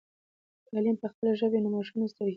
که تعلیم په خپله ژبه وي نو ماشوم نه ستړی کېږي.